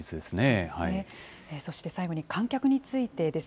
そして最後に観客についてです。